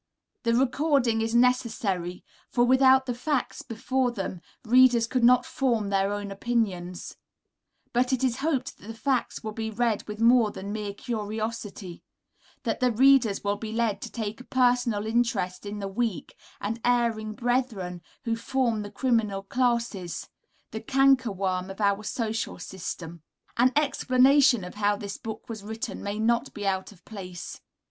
The recording is necessary, for without the facts before them, readers could not form their own opinions; but it is hoped that the facts will be read with more than mere curiosity, that the readers will be led to take a personal interest in the weak and erring brethren who form the criminal classes, the canker worm of our social system. An explanation of how this book was written may not be out of place.